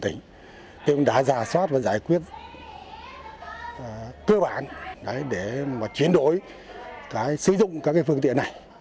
tuy nhiên đã giả soát và giải quyết cơ bản để chuyển đổi sử dụng các phương tiện này